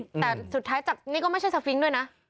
แต่สุดท้ายจากนี่ก็ไม่ใช่สฟิงค์ด้วยนะ